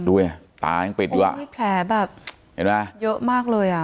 อืมตายังปิดด้วยแผลแบบเยอะมากเลย